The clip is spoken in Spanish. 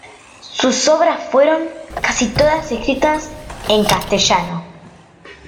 Sus obras fueron casi todas escritas en castellano.